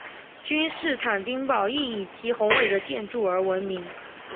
君士坦丁堡亦以其宏伟的建筑而闻名。